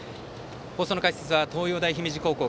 放送の解説は東洋大姫路高校